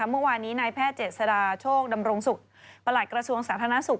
เมื่อวานนี้นายแพทย์เจษฎาโชคดำรงศุกร์ประหลัดกระทรวงสาธารณสุข